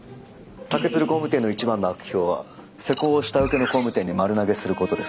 竹鶴工務店の一番の悪評は施工を下請けの工務店に丸投げすることです。